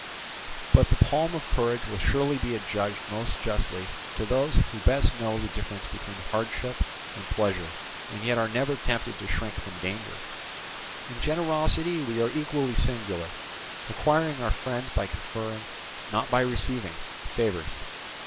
But the palm of courage will surely be adjudged most justly to those, who best know the difference between hardship and pleasure and yet are never tempted to shrink from danger. In generosity we are equally singular, acquiring our friends by conferring, not by receiving, favours.